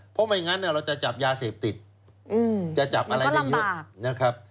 เพราะไม่งั้นเราจะจับยาเสพติดจะจับอะไรได้เยอะนะครับ